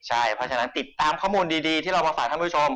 ใช่เพราะฉะนั้นติดตามข้อมูลดีที่เรามาฝากท่านผู้ชม